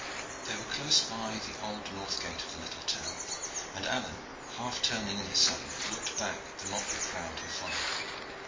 They were close by the old north gate of the little town, and Alleyne, half turning in his saddle, looked back at the motley crowd who followed.